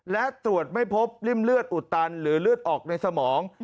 และตรวจไม่พบริ่มเลือดอุดตันหรือเลือดออกในสมอง